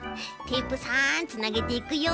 テープさんつなげていくよ。